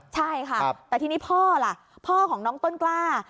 ใช่ค่ะแต่ทีนี้พ่อล่ะพ่อของน้องต้นกล้า